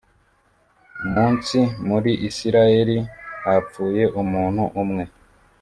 munsi muri isirayeli hapfuye umuntu umwe